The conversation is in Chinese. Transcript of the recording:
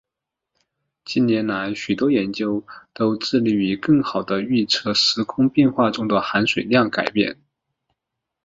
近来许多研究都致力于更好地预测时空变化中的含水量改变。